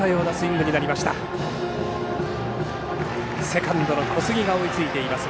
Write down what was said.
セカンドの小杉が追いついています。